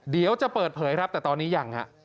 เดี๋ยวจะเปิดเผยครับแต่ตอนนี้ยังฮะ